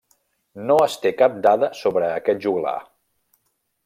No es té cap dada sobre aquest joglar.